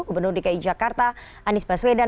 gubernur dki jakarta anies baswedan